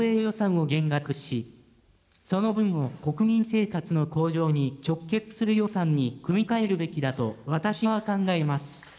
防衛予算を減額し、その分を国民生活の向上に直結する予算に組み替えるべきだと、私は考えます。